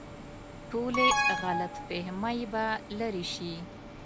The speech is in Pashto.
ټولې غلط فهمۍ به لرې شي.